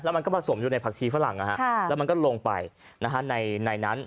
มันก็ผสมอยู่ในผักชีฝรั่งแล้วมันก็ลงไปในนั้น